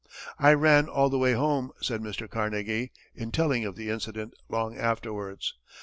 "I ran all the way home," said Mr. Carnegie, in telling of the incident, long afterwards.